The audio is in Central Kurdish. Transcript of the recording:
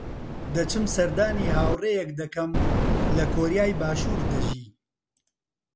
دەچم سەردانی هاوڕێیەک دەکەم کە لە کۆریای باشوور دەژی.